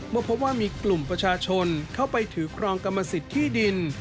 เมื่อพบว่ามีกลุ่มประชาชนเข้าไปถือครองกรรมสิทธิ์ที่ดิน